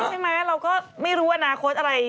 ใช่ไหมเราก็ไม่รู้อนาคตอะไร